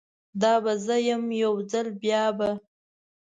دا به زه یم، یوځل بیابه